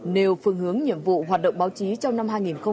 nêu phương hướng nhiệm vụ hoạt động báo chí trong năm hai nghìn hai mươi